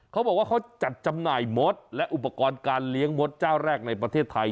เขาบอกว่าเขาจัดจำหน่ายมดและอุปกรณ์การเลี้ยงมดเจ้าแรกในประเทศไทย